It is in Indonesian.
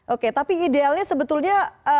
oke tapi idealnya sebetulnya